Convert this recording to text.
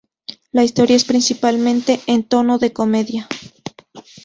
La historia es principalmente en tono de comedia.